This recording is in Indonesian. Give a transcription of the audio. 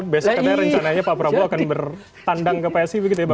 besok katanya rencananya pak prabowo akan bertandang ke psi begitu ya bang